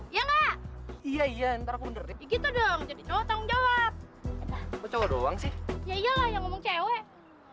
iya nggak iya iya ntar kunder gitu dong jadi tanggung jawab coba doang sih ya iyalah yang